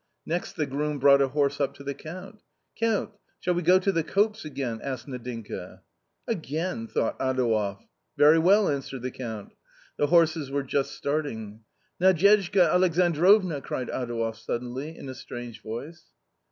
Next the groom brought a horse up to the Count. " Count ! shall we go to the copse again ?" asked Nadinka. " Again !" thought Adouev. " Very well," answered the Count. The horses were just starting. " Nadyezhda Alexandrovna !" cried Adouev, suddenly, in a strange voice.